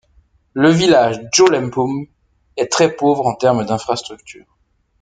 Le village Djolempoum est très pauvre en termes d’infrastructures.